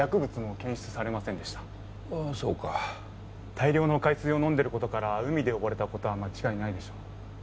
大量の海水を飲んでる事から海で溺れた事は間違いないでしょう。